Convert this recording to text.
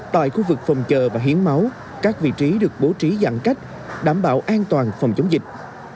tại khu vực phòng chờ và hiến máu các vị trí được bố trí giãn cách đảm bảo an toàn phòng chống dịch